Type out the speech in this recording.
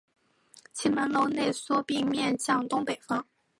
其门楼内缩并面向东北方。